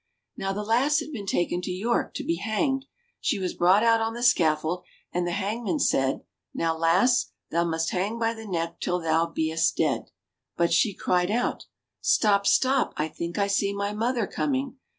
Now the lass had been taken to York to be hanged ; she was brought out on the scaffold, and the hangman said, "Now, lass, thou must hang by the neck till thou be'st dead." But she cried out : "Stop, stop, I think I see my mother coming